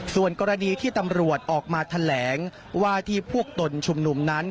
ส่วนกรณีที่ตำรวจออกมาแถลงว่าที่พวกตนชุมนุมนั้น